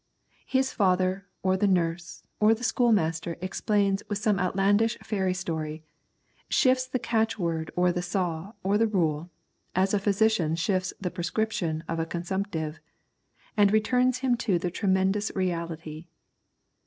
His father or the nurse or the schoolmaster explains with some outlandish fairy story, shifts the catchword or the saw or the rule, as a physician shifts the prescription of a consumptive, and returns him to the tremendous Reality.